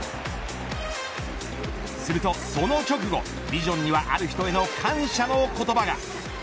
するとその直後、ビジョンにはある人への感謝の言葉が。